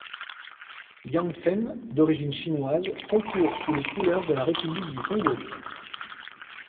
Yang Fen, d'origine chinoise, concourt sous les couleurs de la République du Congo.